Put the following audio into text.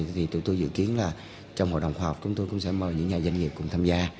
thì tụi tôi dự kiến là trong hội đồng khoa học chúng tôi cũng sẽ mời những nhà doanh nghiệp cùng tham gia